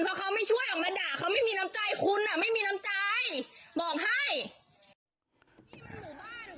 เพราะเขาไม่ช่วยออกมาด่าเขาไม่มีน้ำใจคุณอ่ะไม่มีน้ำใจบอกให้